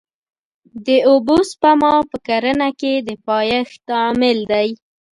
د اوبو سپما په کرنه کې د پایښت عامل دی.